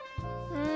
うん。